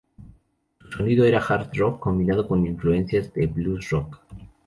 Su sonido era Hard Rock combinado con influencias de Blues Rock.